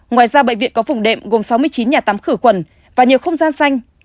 ngoài ra bệnh viện có phùng đệm gồm sáu mươi chín nhà tắm khử khuẩn và nhiều không gian xanh